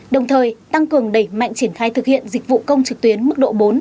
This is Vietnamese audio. đồng thời tăng cường đẩy mạnh triển khai thực hiện dịch vụ công trực tuyến mức độ bốn